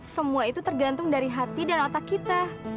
semua itu tergantung dari hati dan otak kita